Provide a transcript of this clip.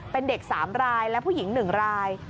เป็นเด็ก๓รายและผู้หญิง๑ราย